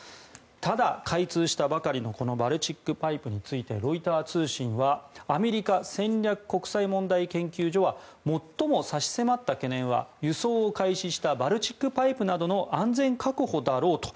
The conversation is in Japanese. ただ、開通したばかりのバルチック・パイプについてロイター通信はアメリカ戦略国際問題研究所は最も差し迫った懸念は輸送を開始したバルチック・パイプなどの安全確保だろうと。